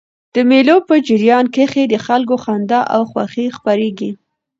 د مېلو په جریان کښي د خلکو خندا او خوښي خپریږي.